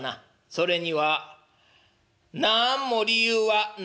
それにはなんも理由はないんじゃ」。